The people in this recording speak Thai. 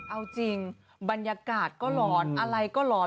เอาจริงบรรยากาศก็หลอนอะไรก็หลอน